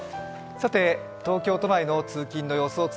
東京都内の通勤の様子